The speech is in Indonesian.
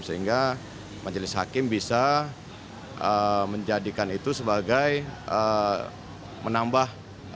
sehingga majelis hakim bisa menjadikan itu sebagai menambah